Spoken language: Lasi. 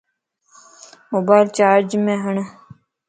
موبائل چارج مَ ھڙ